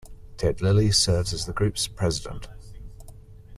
Ted Lillie serves as the group's president.